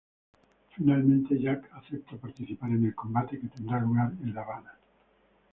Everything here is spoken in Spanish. Finalmente Jack acepta participar en el combate, que tendrá lugar en La Habana.